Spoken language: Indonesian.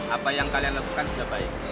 apa yang kalian lakukan sudah baik